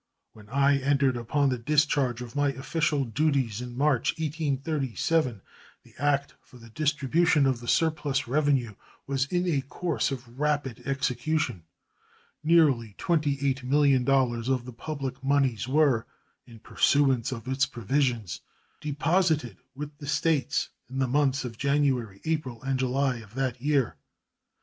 When I entered upon the discharge of my official duties in March, 1837, the act for the distribution of the surplus revenue was in a course of rapid execution. Nearly $28,000,000 of the public moneys were, in pursuance of its provisions, deposited with the States in the months of January, April, and July of that year.